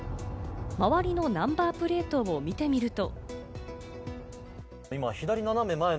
周りのナンバープレートを見てみると。